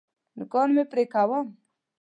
نوکان مي پرې کوم .